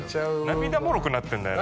涙もろくなってんだよな